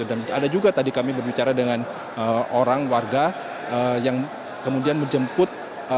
dan ada juga tadi kami berbicara dengan orang warga yang kemudian menjemput